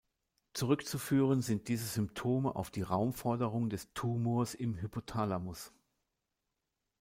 Zurückzuführen sind diese Symptome auf die Raumforderung des Tumors im Hypothalamus.